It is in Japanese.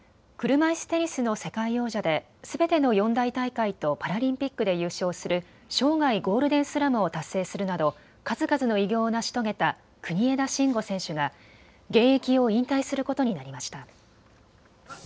車いすテニスの世界王者ですべての四大大会とパラリンピックで優勝する生涯ゴールデンスラムを達成するなど数々の偉業を成し遂げた国枝慎吾選手が現役を引退することになりました。